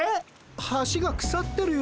橋がくさってるよ。